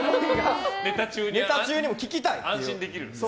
ネタ中にも聞きたい。